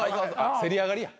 せり上がりや。